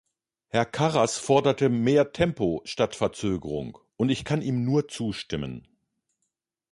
Herr Karas forderte "mehr Tempo statt Verzögerung", und ich kann ihm nur zustimmen.